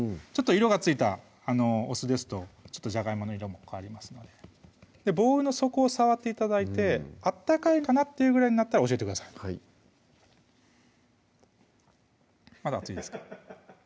色がついたお酢ですとじゃがいもの色も変わりますのでボウルの底を触って頂いて温かいかなっていうぐらいになったら教えてくださいまだ熱いですか？